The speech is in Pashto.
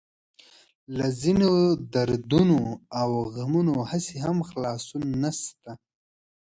له ځينو دردونو او غمونو هسې هم خلاصون نشته.